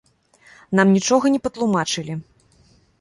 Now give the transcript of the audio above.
Нам нічога не патлумачылі.